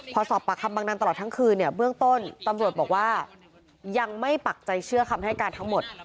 พอสอบปากคำบางนานตลอดทั้งคืนเนี่ยเบื้องต้นตำรวจบอกว่ายังไม่ปักใจเชื่อคำให้การทั้งหมด